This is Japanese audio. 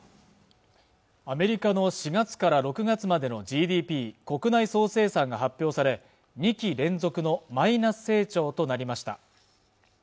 アメリカの４月から６月までのＧＤＰ＝国内総生産が発表され２期連続のマイナス成長となりました